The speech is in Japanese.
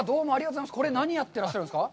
これは何をやっていらっしゃるんですか。